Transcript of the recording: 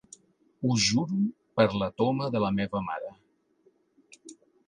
Ho juro per la toma de la meva mare.